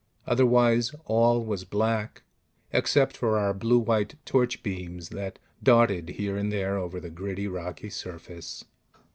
Otherwise all was black, except for our blue white torch beams that darted here and there over the gritty, rocky surface.